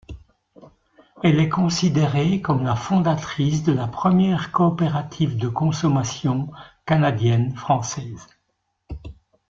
Elle est considérée comme la fondatrice de la première coopérative de consommation canadienne-française.